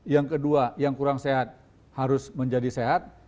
yang kedua yang kurang sehat harus menjadi sehat